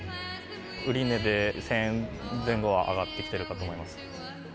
売値で１０００円前後は上がってきてるかと思います。